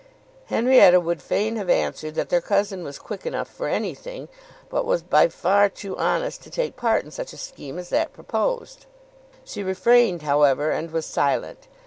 Henrietta would fain have answered that their cousin was quick enough for anything, but was by far too honest to take part in such a scheme as that proposed. She refrained, however, and was silent.